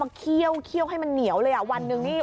เคี่ยวให้มันเหนียวเลยอ่ะวันหนึ่งนี่